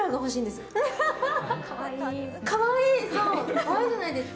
可愛いじゃないですか。